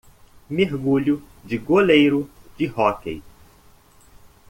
Mergulho de goleiro de hóquei